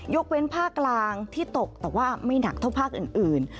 ยกเว้นภาคกลางที่ตกแต่ว่าไม่หนักเท่าภาคอื่น